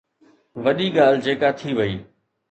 وڏي ڳالهه جيڪا ٿي وئي.